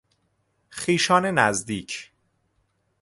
خویشان نزدیک